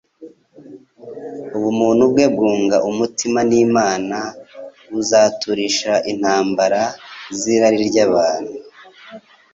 Ubuntu bwe bwunga umutima n'Imana buzaturisha intambara z'irari ry'abantu;